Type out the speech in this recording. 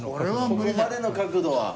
ここまでの角度は。